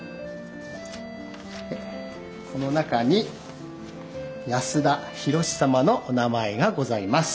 でこの中に安田弘史様のお名前がございます。